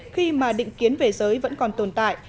khi mà định kiến về giới vẫn còn tồn tại